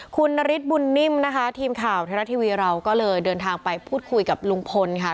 คุณนฤทธิบุญนิ่มนะคะทีมข่าวไทยรัฐทีวีเราก็เลยเดินทางไปพูดคุยกับลุงพลค่ะ